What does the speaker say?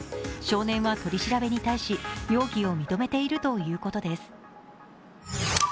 少年は取り調べに対し容疑を認めているということです。